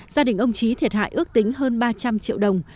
gia đình ông trí thiệt hại ước tính hơn ba trăm linh triệu đồng